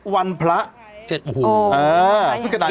๗วันพระซึ่งขนาดนี้